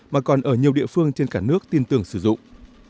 mà còn ở nhiều địa phương trên cả nước tin tưởng sử dụng